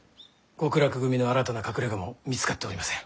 極楽組の新たな隠れがも見つかっておりません。